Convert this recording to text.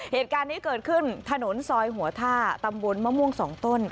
เหตุการณ์นี้เกิดขึ้นถนนซอยหัวท่าตำบลมะม่วง๒ต้น